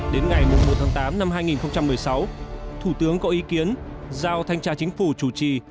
đến ngày một tháng tám năm hai nghìn một mươi sáu thủ tướng có ý kiến giao thanh tra chính phủ chủ trì